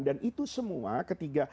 dan itu semua ketiga